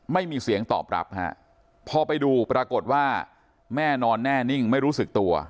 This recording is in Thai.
ไม่มีเสียงตอบรับฮะพอไปดูปรากฏว่าแม่นอนแน่นิ่งไม่รู้สึกตัว